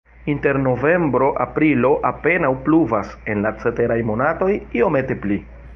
Inter novembro-aprilo apenaŭ pluvas, en la ceteraj monatoj iomete pli.